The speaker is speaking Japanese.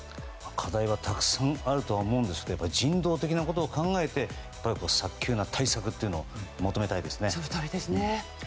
課題はたくさんあると思いますが人道的なことを考えて、早急な対策というのを求めたいですね。